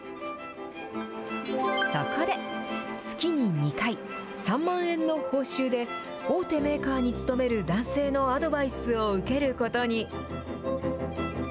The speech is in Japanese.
そこで月に２回、３万円の報酬で大手メーカーに勤める男性のアドバイスを受けることに。